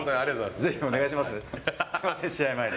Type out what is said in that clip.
ぜひお願いします。